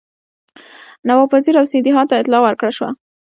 نواب وزیر او سیندهیا ته اطلاع ورکړه شوه.